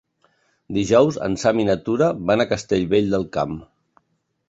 Dijous en Sam i na Tura van a Castellvell del Camp.